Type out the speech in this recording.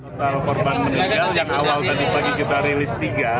total korban meninggal yang awal tadi pagi kita rilis tiga